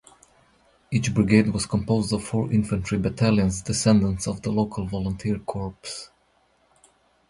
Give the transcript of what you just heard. Each brigade was composed of four infantry battalions, descendants of the local Volunteer corps.